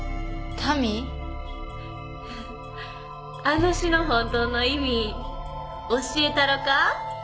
あの詩の本当の意味教えたろか？